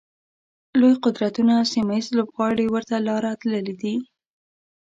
لوی قدرتونه او سیمه ییز لوبغاړي ورته لاره تللي دي.